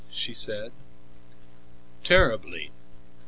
she said. "Terribly.